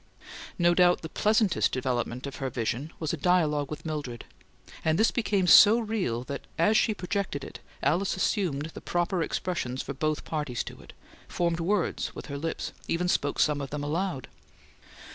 No doubt the pleasantest development of her vision was a dialogue with Mildred; and this became so real that, as she projected it, Alice assumed the proper expressions for both parties to it, formed words with her lips, and even spoke some of them aloud.